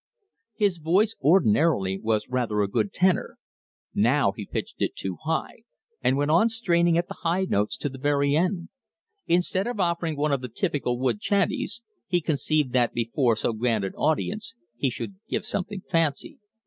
His voice ordinarily was rather a good tenor. Now he pitched it too high; and went on straining at the high notes to the very end. Instead of offering one of the typical woods chanteys, he conceived that before so grand an audience he should give something fancy.